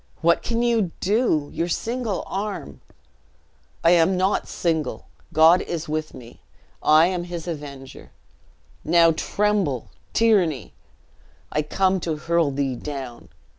"What can you do? Your single arm " "I am not single God is with me. I am his avenger. Now tremble, tyranny! I come to hurl thee down!"